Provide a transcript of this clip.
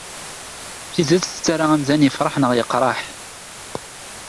Tidet tettarra amdan yefreḥ neɣ yeqreḥ.